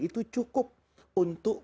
itu cukup untuk